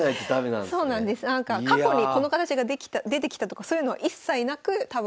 過去にこの形が出てきたとかそういうのは一切なく多分。